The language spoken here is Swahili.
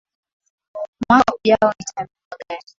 Mwaka ujao nitanunua gari